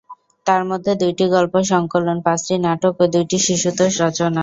তার মধ্যে দুইটি গল্প সংকলন, পাঁচটি নাটক ও দুইটি শিশুতোষ রচনা।